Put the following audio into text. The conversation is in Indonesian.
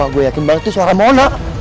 wah gue yakin banget itu suara mona